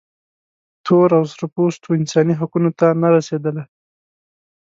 تور او سره پوستو انساني حقونو ته نه رسېدله.